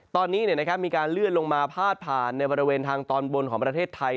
ตอนนี้มีการเลื่อนลงมาพาดผ่านในบริเวณทางตอนบนของประเทศไทย